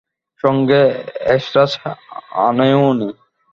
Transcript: সঙ্গে এসরাজ আনেও নি।